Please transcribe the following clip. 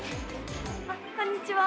あっこんにちは！